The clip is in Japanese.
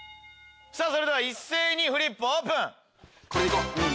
それでは一斉にフリップオープン！